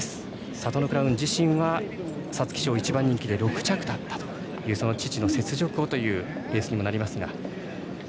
サトノクラウン自身は皐月賞、１番人気で６着だったという父の雪辱をというようなレースにもなります。